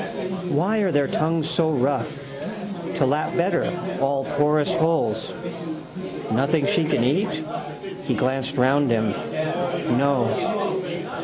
Why are their tongues so rough? To lap better, all porous holes. Nothing she can eat? He glanced round him. No.